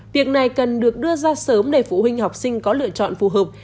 việc này cần được đưa ra sớm để phụ huynh học sinh có lựa chọn phù hợp